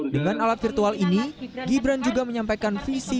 dengan alat virtual ini gibran juga menyampaikan visi